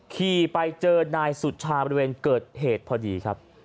ขี่ไปเจอนายสุชาบริเวณเกิดเหตุพอดีครับ